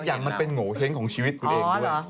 อย่างมันเป็นโงเห้งของชีวิตคุณเองด้วย